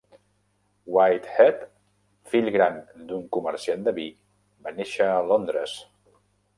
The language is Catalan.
Whitehead, fill gran d'un comerciant de vi, va néixer a Londres.